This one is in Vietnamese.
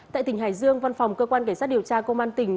tại tỉnh hải dương văn phòng cơ quan cảnh sát điều tra công an tỉnh